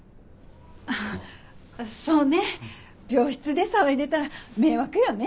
あっそうね病室で騒いでたら迷惑よね。